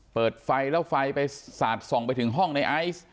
เปิดไฟแล้วไฟไปสาดส่องไปถึงห้องในไอซ์